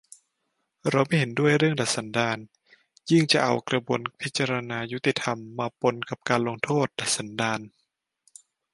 เราไม่เห็นด้วยเรื่อง "ดัดสันดาน" ยิ่งจะเอา กระบวนพิจารณายุติธรรม มาปนกับ การลงโทษ "ดัดสันดาน"